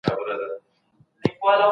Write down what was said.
کارګران اړين تخنيکي مهارتونه نه لري.